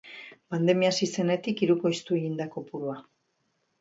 Pandemia hasi zenetik hirukoiztu egin da kopurua.